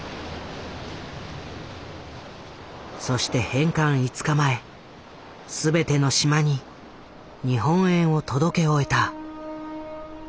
そして返還５日前すべての島に日本円を届け終えた。